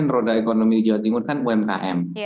roda ekonomi jawa timur kan umkm